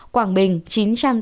quảng bình chín trăm tám mươi bảy